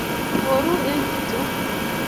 Koru eng kitok